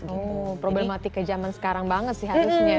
oh problematik ke jaman sekarang banget sih harusnya ya